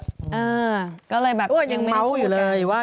อ่าก็เลยแบบก็ยังเมาส์อยู่เลยว่า